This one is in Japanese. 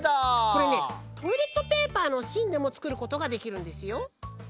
これねトイレットペーパーのしんでもつくることができるんですよ。